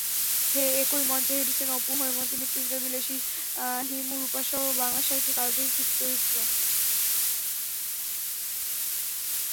একই মঞ্চে হেঁটেছেন অপু-হৈমন্তী, মৃত্যুঞ্জয়-বিলাসী, হিমু-রুপাসহ বাংলা সাহিত্যের কালজয়ী কিছু চরিত্র।